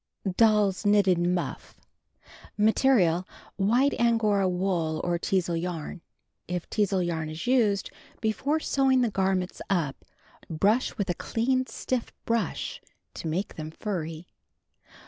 DOLL'S KNITTED MUFF (See picture opposite page 200) Material: White Angora wool, or Teazle yarn. If Teazle yarn is used, before sewing the garments up, brush with a clean stiff brush to make them furry.